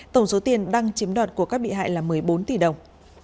tổng số tiền đăng chiếm đoạt của các bị hại là một mươi bốn tỷ đồng